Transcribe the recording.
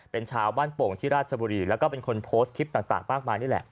เป็นชาวบ้านโป่งที่ราชบุรีแล้วก็เป็นคนโพสต์คลิปต่างมากมายนี่แหละ